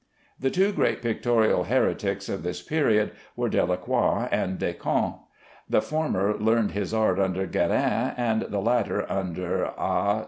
The two great pictorial heretics of this period were Delacroix and Decamps. The former learned his art under Guérin, and the latter under A.